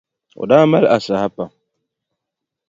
O daa mali asahi pam.